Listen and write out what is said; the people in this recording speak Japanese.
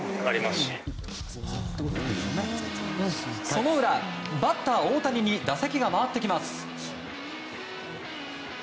その裏、バッター大谷に打席が回ってきます。